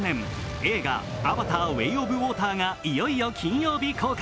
映画「アバターウェイ・オブ・ウォーター」がいよいよ金曜日公開。